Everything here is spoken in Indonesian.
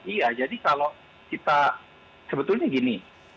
iya jadi kalau kita sebetulnya gini